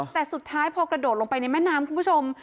แต่สุดท้ายพอกระโดดลงไปในแม่น้ำคุณผู้ชม